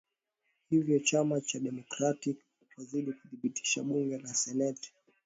a hivyo chama cha democrat kitazidi kudhibiti bunge la senate